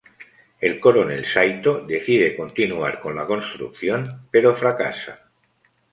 El coronel Saito decide continuar con la construcción, pero fracasa.